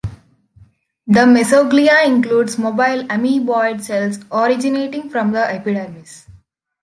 The mesoglea includes mobile amoeboid cells originating from the epidermis.